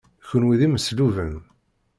Kenwi d imesluben.